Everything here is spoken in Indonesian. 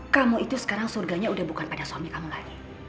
kamu itu sekarang surganya udah bukan pada suami kamu lagi